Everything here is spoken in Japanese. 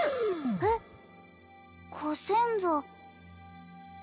えっご先祖